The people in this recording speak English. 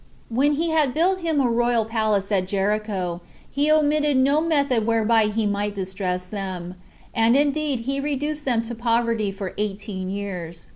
And when he had built him a royal palace at Jericho, 14 he omitted no method whereby he might distress them; and indeed he reduced them to poverty for eighteen years.